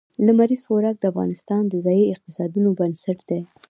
لمریز ځواک د افغانستان د ځایي اقتصادونو بنسټ دی.